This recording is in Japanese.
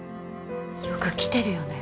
よく来てるよね